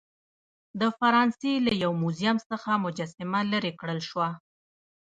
د فرانسې له یو موزیم څخه مجسمه لیرې کړل شوه.